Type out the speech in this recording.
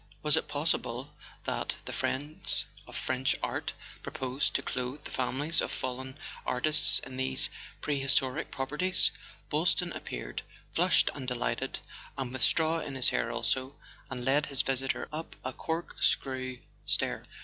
Was it possible A SON AT THE FRONT that "The Friends of French Art" proposed to clothe the families of fallen artists in these prehistoric proper¬ ties ? Boylston appeared, flushed and delighted (and with straw in his hair also), and led his visitor up a cork¬ screw stair.